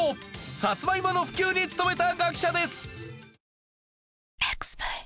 サツマイモの普及に努めた学者です。